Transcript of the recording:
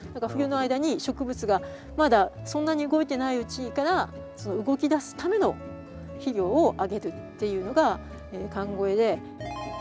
冬の間に植物がまだそんなに動いてないうちから動きだすための肥料をあげるっていうのが寒肥で。